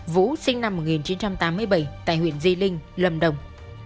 vũ sinh năm một nghìn chín trăm tám mươi bảy tại huyện di linh lâm đồng